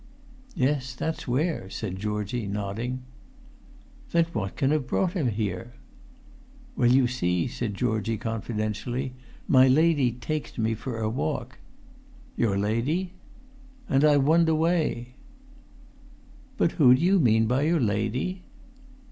"Yes, that's where," said Georgie, nodding. "Then what can have brought him here!" "Well, you see," said Georgie, confidentially, "my lady taked me for a walk——" "Your lady?" "And I wunned away." "But who do you mean by your lady?"